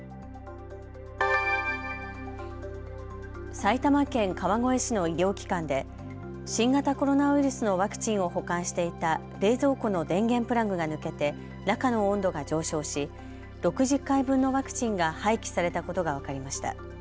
埼玉県川越市の医療機関で新型コロナウイルスのワクチンを保管していた冷蔵庫の電源プラグが抜けて、中の温度が上昇し６０回分のワクチンが廃棄されたことが分かりました。